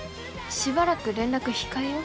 しばらく連絡控えよう。